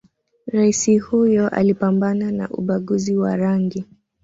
raisi huyo aliipambana na ubaguzi wa rangi